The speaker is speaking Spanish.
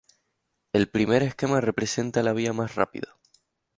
El primer esquema representa la vía más rápida.